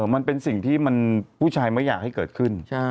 มันเป็นสิ่งที่มันผู้ชายไม่อยากให้เกิดขึ้น